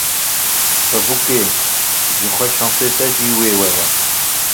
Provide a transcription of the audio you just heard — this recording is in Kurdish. Pepûkê, ji xwe şensê te jî wê were